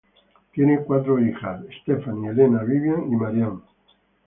Tienen cuatro hijas Stephanie, Elena, Vivian y Marianne.